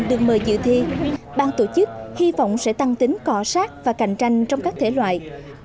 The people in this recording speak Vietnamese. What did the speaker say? được mời dự thi bang tổ chức hy vọng sẽ tăng tính cọ sát và cạnh tranh trong các thế loại